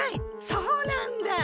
そうなんだ！